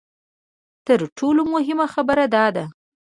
تر ټولو مهمه خبره دا ده.